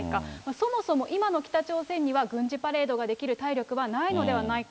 そもそも、今の北朝鮮には軍事パレードができる体力はないのではないか。